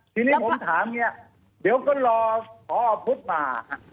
ทีนี้ผมถามเนี่ยเดี๋ยวก็รอพอพุทธมา